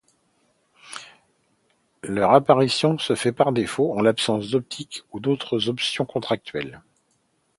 Leur application se fait par défaut, en l'absence d'option pour d'autres options contractuelles.